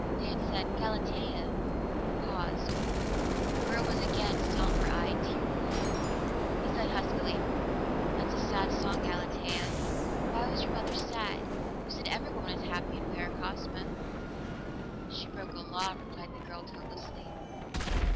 Dan said, "Galatea " and paused. The girl was again somber eyed, tearful. He said huskily, "That's a sad song, Galatea. Why was your mother sad? You said everyone was happy in Paracosma." "She broke a law," replied the girl tonelessly.